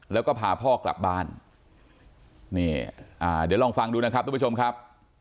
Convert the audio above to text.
แล้วก็พาพ่อกลับบ้านนี่อ่าเดี๋ยวลองฟังดูนะครับทุกผู้ชมครับ